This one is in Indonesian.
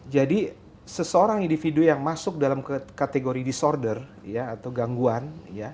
jadi seseorang individu yang masuk dalam kategori disorder atau gangguan